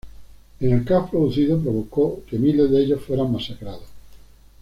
En el caos producido provocó que miles de ellos fueran masacrados.